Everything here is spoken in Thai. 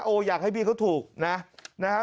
อยากให้พี่เขาถูกนะนะฮะ